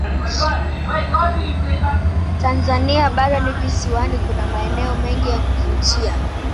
tanzania bara na visiwani kuna maeneo mengi ya kuvutia